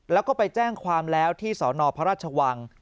แล้วก็ไปแจ้งความแล้วที่สนพระราชวัง